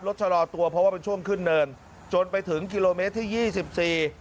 ชะลอตัวเพราะว่าเป็นช่วงขึ้นเนินจนไปถึงกิโลเมตรที่ยี่สิบสี่